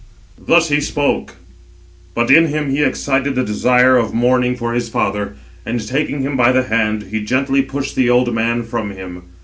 Thus he spoke; but in him he excited the desire of mourning for his father; and taking him by the hand, he gently pushed the old man from him.